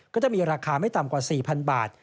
ก็จะมีราคาไม่ต่ำกว่า๔๐๐๐บาท